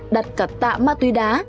đặt cả tạ ma túy đá